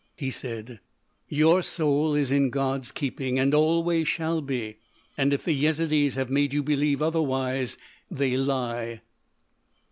He said: "Your soul is in God's keeping, and always shall be.... And if the Yezidees have made you believe otherwise, they lie."